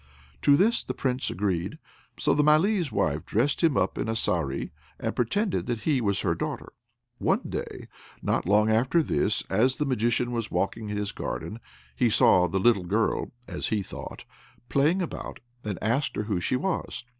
To this the Prince agreed. So the Malee's wife dressed him up in a saree, and pretended that he was her daughter. One day, not long after this, as the Magician was walking in his garden he saw the little girl (as he thought) playing about, and asked her who she was.